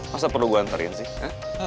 masa perlu gue anterin sih